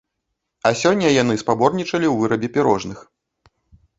А сёння яны спаборнічалі ў вырабе пірожных.